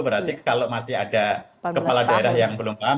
berarti kalau masih ada kepala daerah yang belum paham